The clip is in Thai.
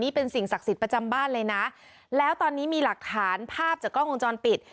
เป็นสิ่งศักดิ์สิทธิ์ประจำบ้านเลยนะแล้วตอนนี้มีหลักฐานภาพจากกล้องวงจรปิด